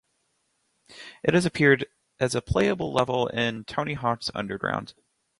It has appeared as a playable level in "Tony Hawk's Underground".